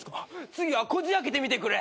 次はこじ開けてみてくれ。